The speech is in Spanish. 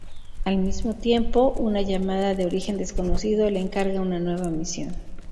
Al mismo tiempo, una llamada de origen desconocido le encarga una nueva misión.